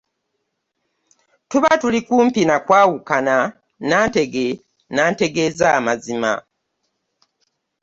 Tuba tuli kumpi na kwawukana, Nantege n'antegeeza amazima.